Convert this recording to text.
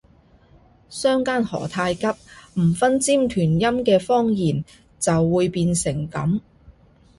相姦何太急，唔分尖團音嘅方言就會變成噉